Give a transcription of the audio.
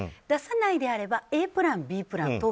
出さないのであればＡプラン、Ｂプラン